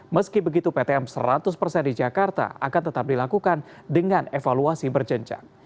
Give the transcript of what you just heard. meski begitu ptm seratus persen di jakarta akan tetap dilakukan dengan evaluasi berjenjang